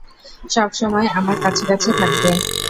সবসময় আমার কাছাকাছি থাকবে।